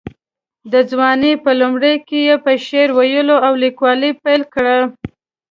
د ځوانۍ په لومړیو کې یې په شعر ویلو او لیکوالۍ پیل وکړ.